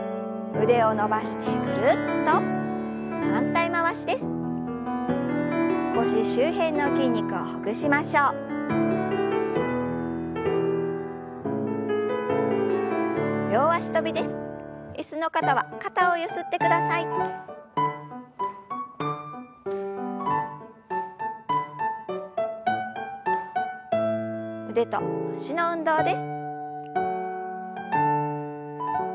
腕と脚の運動です。